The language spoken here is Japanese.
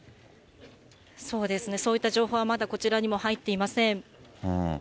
そうですね、そういった情報はまだこちらにも入っていません。